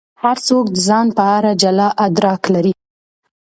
هر څوک د ځان په اړه جلا ادراک لري.